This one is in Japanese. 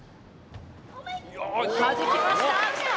はじきました！